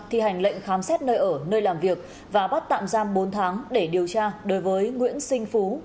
thi hành lệnh khám xét nơi ở nơi làm việc và bắt tạm giam bốn tháng để điều tra đối với nguyễn sinh phú